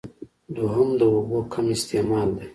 دويم د اوبو کم استعمال دی